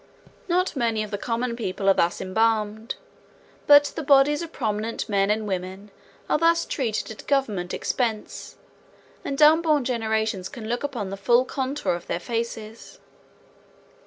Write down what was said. Not many of the common people are thus embalmed. But the bodies of prominent men and women are thus treated at government expense and unborn generations can look upon the full contour of their faces.